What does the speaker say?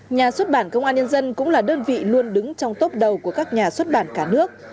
nhà xuất bản công an nhân dân cũng là đơn vị luôn đứng trong tốp đầu của các nhà xuất bản cả nước